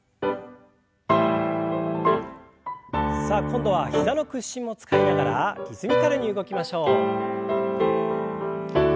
さあ今度は膝の屈伸も使いながらリズミカルに動きましょう。